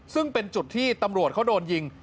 ซึ่งเป็นจุดที่ตำรวจเขาโดนยิง